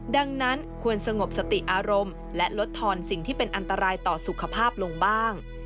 ดังนั้นควรสงบสติอารมณ์และลดทอนสิ่งที่เป็นอันตรายต่อสุขภาพลงบ้าง